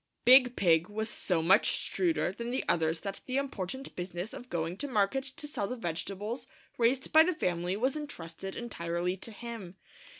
Big Pig was so much shrewder than the others that the important business of going to market to sell the vegetables raised by the family was intrusted entirely to him.